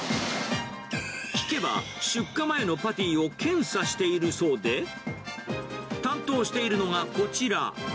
聞けば、出荷前のパティを検査しているそうで、担当しているのがこちら。